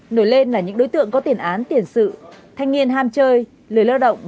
nổi lên là những đối tượng có tiền án tiền sự thanh niên ham chơi lười lao động